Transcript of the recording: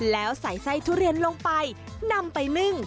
แล้วใส่ไส้ทุเรียนลงไปนำไปนึ่ง